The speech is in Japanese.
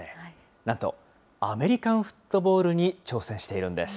なんと、アメリカンフットボールに挑戦しているんです。